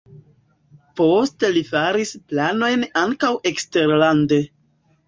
Poste li faris planojn ankaŭ eksterlande.